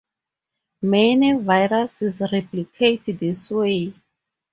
Many viruses replicate this way.